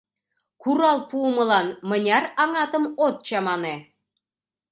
— Курал пуымылан мыняр аҥатым от чамане?